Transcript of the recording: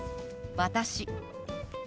「私」。